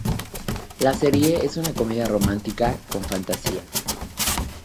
La serie es una comedia romántica con fantasía.